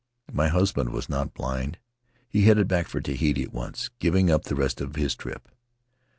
My husband was not blind — he headed back for Tahiti at once, giving up the rest of his trip.